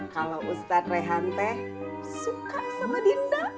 kalau ustadz rehante suka sama dinda